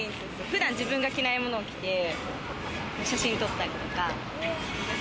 普段、自分が着ないものを着て、写真撮ったりとか。